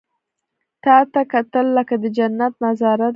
• تا ته کتل، لکه د جنت نظاره ده.